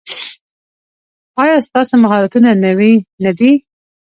ایا ستاسو مهارتونه نوي نه دي؟